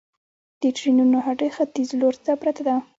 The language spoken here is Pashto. د ټرېنونو هډه ختیځ لور ته پرته ده